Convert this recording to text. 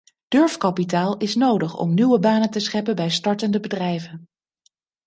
Durfkapitaal is nodig om nieuwe banen te scheppen bij startende bedrijven.